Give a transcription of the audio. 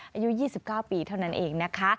อายุ๒๙ปีเท่านั้นเองนะคะ